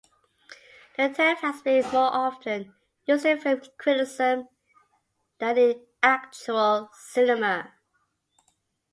The term has been more often used in film criticism than in actual cinema.